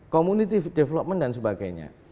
community development dan sebagainya